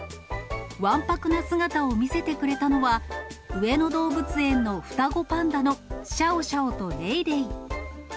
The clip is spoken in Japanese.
わんぱくな姿を見せてくれたのは、上野動物園の双子パンダのシャオシャオとレイレイ。